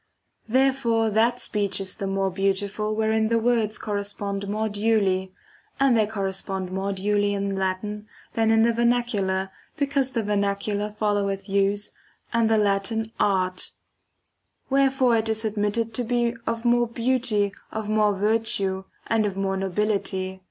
Therefore that speech is the more beautiful wherein [|the words]] correspond more duly []and they correspond more duly]] in Latin than in the vernacular, because the vernacular foUoweth use and the Latin art ; wherefore it is admitted to be of more beauty, of more virtue, and of more nobility.